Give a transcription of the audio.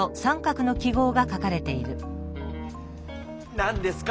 何ですか？